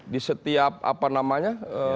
di setiap apa namanya